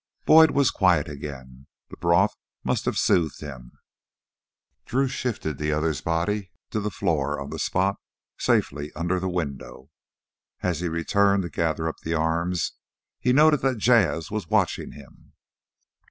Boyd was quiet again. The broth must have soothed him. Drew shifted the other's body to the floor on the spot of safety under the window. As he returned to gather up the arms he noted that Jas' was watching him.